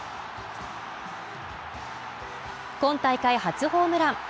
今大会初ホームラン。